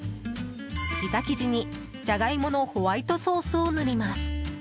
ピザ生地に、ジャガイモのホワイトソースを塗ります。